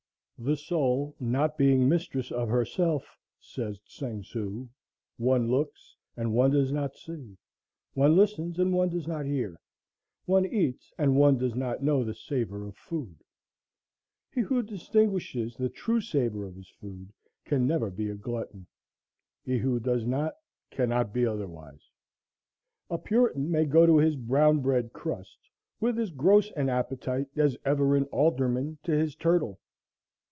"The soul not being mistress of herself," says Thseng tseu, "one looks, and one does not see; one listens, and one does not hear; one eats, and one does not know the savor of food." He who distinguishes the true savor of his food can never be a glutton; he who does not cannot be otherwise. A puritan may go to his brown bread crust with as gross an appetite as ever an alderman to his turtle.